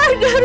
meli gak tau